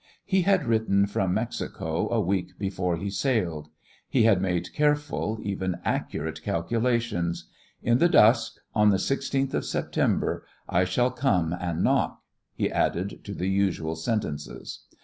He had written from Mexico a week before he sailed; he had made careful, even accurate calculations: "In the dusk, on the sixteenth of September, I shall come and knock," he added to the usual sentences.